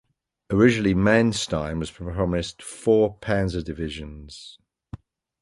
Originally, Manstein was promised four "panzer" divisions.